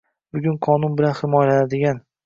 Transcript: bugun qonun bilan himoyalanadigan